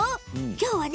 きょうはね